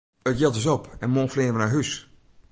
It jild is op en moarn fleane wy nei hús!